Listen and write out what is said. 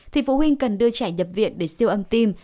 thì phụ huynh cần đưa trẻ nhập viện để siêu âm tim